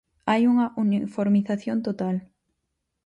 Hai unha uniformización total.